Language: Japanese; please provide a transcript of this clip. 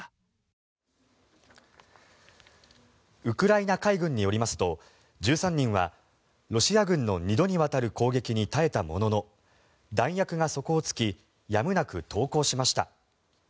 ウクライナ海軍によりますと、１３人はロシア軍の２度にわたる攻撃に耐えたものの弾薬が底を突きやむなく投降しました。